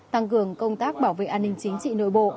tăng cường công tác bảo vệ an ninh chính trị nội bộ